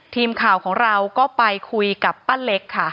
ทีมข่าวของเราก็ไปคุยกับป้าเล็กค่ะ